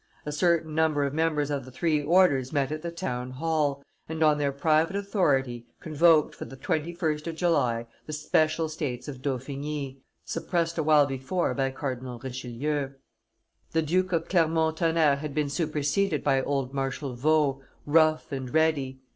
A certain number of members of the three orders met at the town hall, and, on their private authority, convoked for the 21st of July the special states of Dauphiny, suppressed a while before by Cardinal Richelieu. The Duke of Clermont Tonnerre had been superseded by old Marshal Vaux, rough and ready.